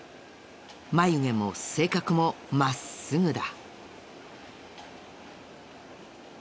眉毛も性格も真っすぐだ。